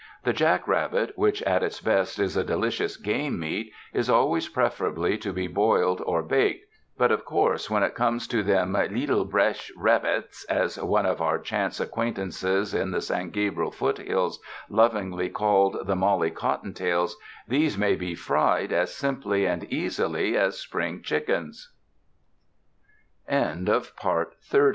The jack rabbit, which at its best is a delicious game meat, is always preferably to be boiled or baked; but of course when it comes to ''them leetle bresh rab bits," as one of our chance acquaintances in the San Gabriel foothills lovingly called the Mollie Cot tontails, these may be fried as simply and easily as spring chickens. IV.